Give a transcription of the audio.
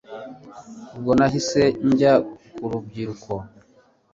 ubwo nahise njya ku rubyiruko